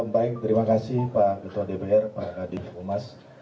baik terima kasih pak ketua dpr pak kadif umas